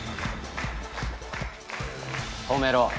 止めろ。